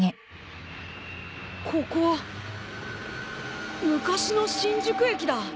ここは昔の新宿駅だ。